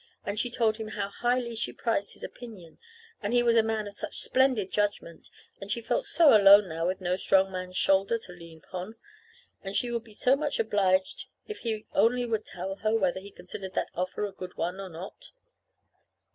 And she told him how highly she prized his opinion, and he was a man of such splendid judgment, and she felt so alone now with no strong man's shoulder to lean upon, and she would be so much obliged if he only would tell her whether he considered that offer a good one or not.